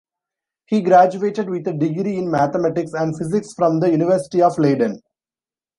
He graduated with a degree in mathematics and physics from the University of Leiden.